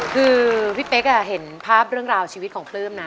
คือพี่เป๊กเห็นภาพเรื่องราวชีวิตของปลื้มนะ